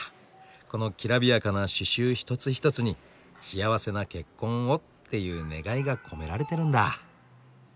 このきらびやかな刺しゅう一つ一つに「幸せな結婚を」っていう願いが込められてるんだ。